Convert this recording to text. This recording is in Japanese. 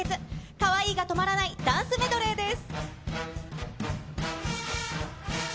カワイイが止まらないダンスメドレーです。